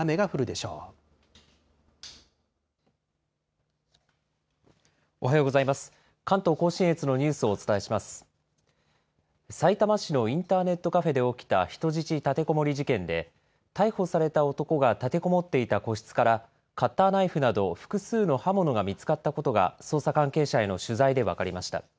さいたま市のインターネットカフェで起きた人質立てこもり事件で、逮捕された男が立てこもっていた個室から、カッターナイフなど、複数の刃物が見つかったことが、捜査関係者への取材で分かりました。